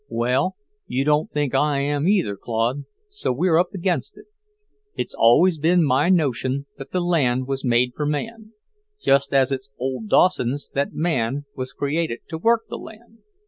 "Well, you don't think I am either, Claude, so we're up against it. It's always been my notion that the land was made for man, just as it's old Dawson's that man was created to work the land.